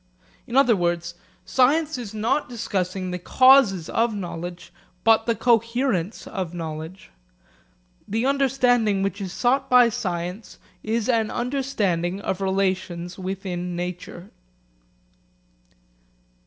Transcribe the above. In other words, science is not discussing the causes of knowledge, but the coherence of knowledge. The understanding which is sought by science is an understanding of relations within nature.